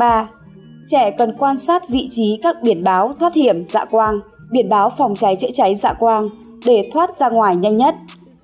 và trẻ cần quan sát vị trí các biển báo thoát hiểm dạ quang biển báo phòng cháy chữa cháy dạ quang để thoát ra ngoài nhanh nhất